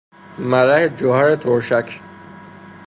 ملح جوهر ترشک